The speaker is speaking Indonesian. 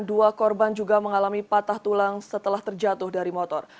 dua korban juga mengalami patah tulang setelah terjatuh dari motor